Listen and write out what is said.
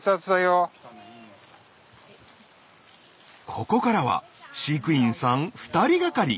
ここからは飼育員さん２人がかり。